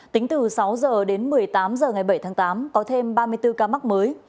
tính từ sáu h đến một mươi tám h ngày bảy tháng tám có thêm ba mươi bốn ca mắc mới